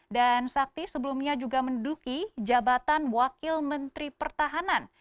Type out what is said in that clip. dan sakti sebelumnya juga menduduki jabatan wakil menteri pertahanan